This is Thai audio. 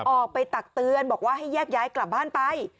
ตักเตือนบอกว่าให้แยกย้ายกลับบ้านไป